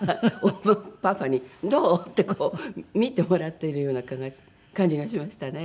パパにどう？ってこう見てもらってるような感じがしましたね。